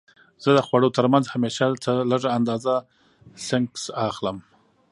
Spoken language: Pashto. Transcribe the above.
زه د خوړو ترمنځ همیشه څه لږه اندازه سنکس اخلم.